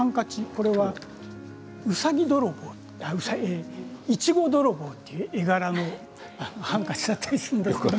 これは「うさぎ泥棒」いや、「いちご泥棒」という絵柄のハンカチになっているんです。